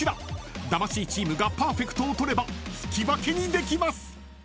［魂チームがパーフェクトを取れば引き分けにできます］